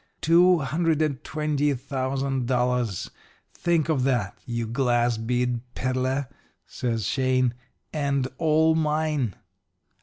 Two hundred and twenty thousand dollars think of that, you glass bead peddler,' says Shane 'and all mine.'